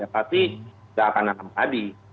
pasti tidak akan menanam padi